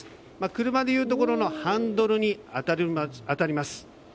車でいうところのハンドルにあたります。